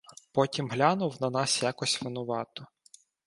Потім глянув на нас якось винувато.